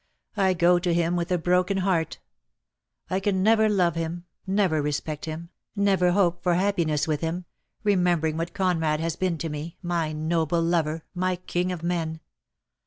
I go to him with a broken heart. I can never love him, never respect him, never hope for happiness with him, remembering what Conrad has been to me, my noble lover, my king of men.